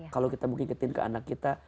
kalau kita mau ngikutin ke anak kita